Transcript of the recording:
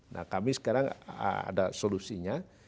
nah kami sekarang ada solusinya